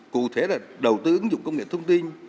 cụ thể là đầu tư ứng dụng công nghệ thông tin